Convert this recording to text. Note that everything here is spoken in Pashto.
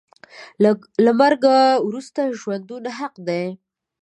له مرګ وروسته ژوندون حق دی .